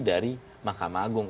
dari makamah agung